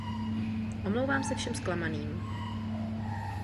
Omluvám se všem zklamaným.